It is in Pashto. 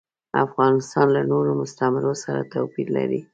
افغانستان له نورو مستعمرو سره توپیر لري.